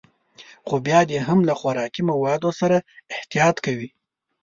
خو بيا دې هم له خوراکي موادو سره احتياط کوي.